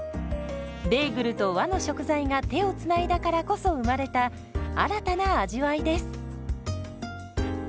ベーグルと和の食材が手をつないだからこそ生まれた新たな味わいです。